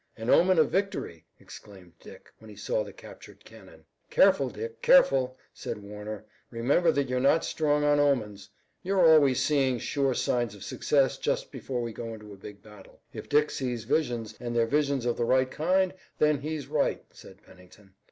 "An omen of victory," exclaimed Dick, when he saw the captured cannon. "Careful, Dick! Careful!" said Warner. "Remember that you're not strong on omens. You're always seeing sure signs of success just before we go into a big battle." "If Dick sees visions, and they're visions of the right kind, then he's right," said Pennington.